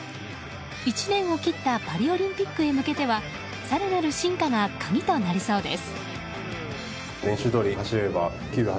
１年を切ったパリオリンピックへ向けては更なる進化が鍵となりそうです。